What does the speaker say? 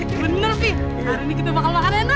hehehe bener pi hari ini kita bakal makan enak